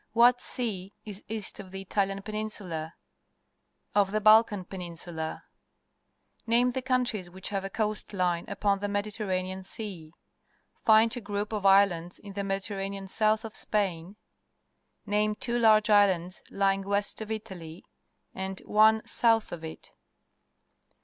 What sea is east of the Italian Peninmla f Of the Balkan Peninsula ? Name the countries which have a coast line upon the jNIediterranean Sea. Find a group of islands in the Mediterranean south of Spain. Name two large islands lying west of Italy, and one south of it.